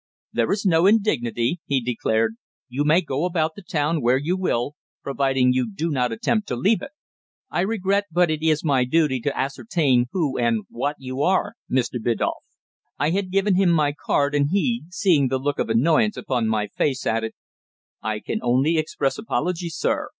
"There is no indignity," he declared. "You may go about the town where you will providing you do not attempt to leave it. I regret, but it is my duty to ascertain who and what you are, Mr. Biddulph." I had given him my card, and he, seeing the look of annoyance upon my face, added "I can only express apologies, sir.